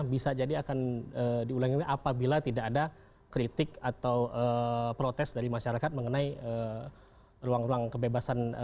bisa jadi akan diulangi apabila tidak ada kritik atau protes dari masyarakat mengenai ruang ruang kebebasan